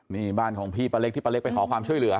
นี่บ้านของพี่ป้าเล็กที่ป้าเล็กไปขอความช่วยเหลือ